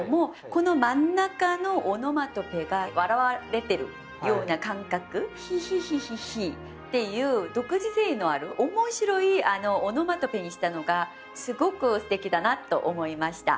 この真ん中のオノマトペが笑われてるような感覚「ヒヒヒヒヒ」っていう独自性のある面白いオノマトペにしたのがすごくすてきだなと思いました。